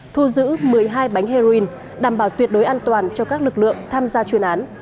thu giữ một mươi hai bánh heroin đảm bảo tuyệt đối an toàn cho các lực lượng tham gia chuyên án